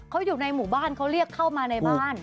เขาอยู่ในหมู่บ้านเขาเรียกเข้ามาในบ้าน